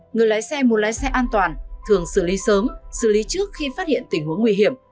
người lái xe muốn lái xe an toàn thường xử lý sớm xử lý trước khi phát hiện tình huống nguy hiểm